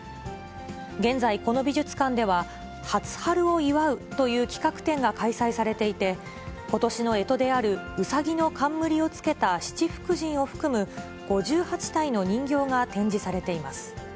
現在、この美術館では、初春を祝うという企画展が開催されていて、ことしのえとであるうさぎの冠をつけた七福神を含む５８体の人形が展示されています。